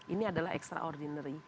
ini adalah extraordinary